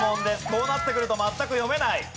こうなってくると全く読めない。